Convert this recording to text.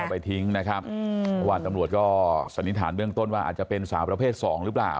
ไปทิ้งนะครับเพราะว่าตำรวจก็สันนิษฐานเบื้องต้นว่าอาจจะเป็นสาวประเภทสองหรือเปล่า